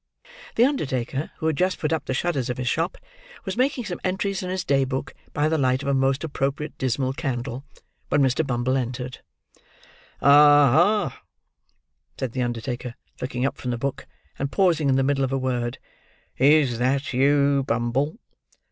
The undertaker, who had just put up the shutters of his shop, was making some entries in his day book by the light of a most appropriate dismal candle, when Mr. Bumble entered. "Aha!" said the undertaker; looking up from the book, and pausing in the middle of a word; "is that you, Bumble?"